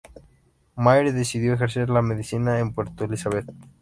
Maire decidió ejercer la medicina en Puerto Elizabeth.